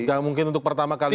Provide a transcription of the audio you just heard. tidak mungkin untuk pertama kali